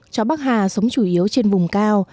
chó bắc hà sống chủ yếu trên vùng cao